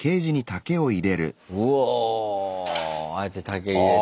うおああやって竹入れて。